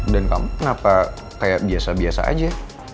dan kamu kenapa kayak biasa biasa aja